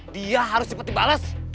dia harus cepat dibalas